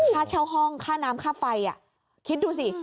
ค่าเช่าห้องค่าน้ำค่าไฟคิดดูสิ